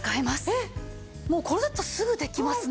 えっもうこれだったらすぐできますね。